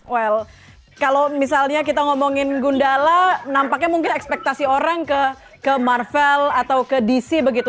well kalau misalnya kita ngomongin gundala nampaknya mungkin ekspektasi orang ke marvel atau ke dc begitu